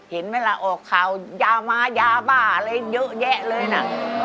เห็นไหมล่ะออกข่าวยาม้ายาบ้าอะไรเยอะแยะเลยนะ